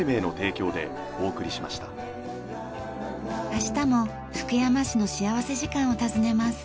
明日も福山市の幸福時間を訪ねます。